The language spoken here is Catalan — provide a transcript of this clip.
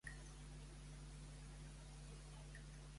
Estic agraït per la seva amabilitat cap a mi.